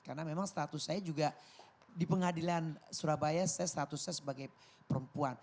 karena memang status saya juga di pengadilan surabaya saya status saya sebagai perempuan